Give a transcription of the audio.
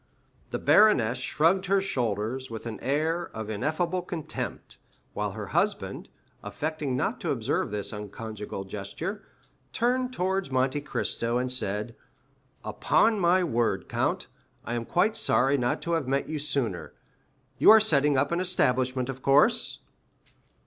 The baroness shrugged her shoulders with an air of ineffable contempt, while her husband, affecting not to observe this unconjugal gesture, turned towards Monte Cristo and said,—"Upon my word, count, I am quite sorry not to have met you sooner. You are setting up an establishment, of course?"